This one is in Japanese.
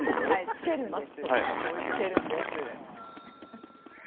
つけるんです。